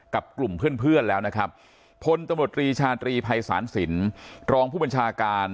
กับกลุ่มเพื่อนแล้วนะครับพลตำรวจรีชาตรีภัยศาลสินรองผู้บัญชาการ